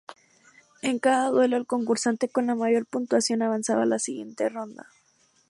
En cada duelo, el concursante con la mayor puntuación avanzaba a la siguiente ronda.